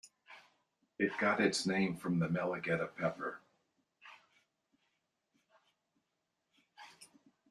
It got its name from the melegueta pepper.